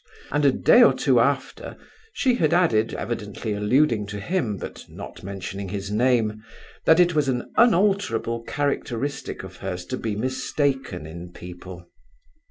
and a day or two after, she had added, evidently alluding to him, but not mentioning his name, that it was an unalterable characteristic of hers to be mistaken in people.